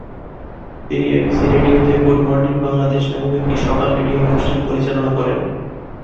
তিনি এবিসি রেডিওতে "good morning Bangladesh" নামক একটি সকাল রেডিও অনুষ্ঠান পরিচালনা করেন।